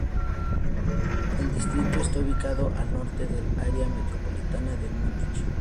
El distrito está ubicado al norte del área metropolitana de Múnich.